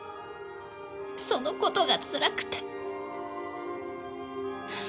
その事がつらくて。